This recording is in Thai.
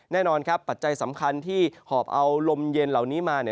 แน่นอนครับปัจจัยสำคัญที่หอบเอาลมเย็นเหล่านี้มา